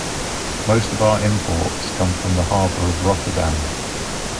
Most of our imports come from the harbor of Rotterdam.